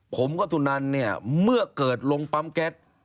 ผมกับสุนันเนี่ยเมื่อเกิดลงปั๊มแก๊ส